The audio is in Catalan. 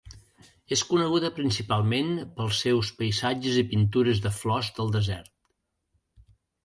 És coneguda principalment pels seus paisatges i pintures de flors del desert.